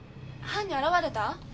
犯人現れた？